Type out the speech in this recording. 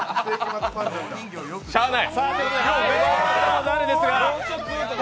しゃあない！